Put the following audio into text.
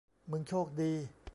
มึงโชคดี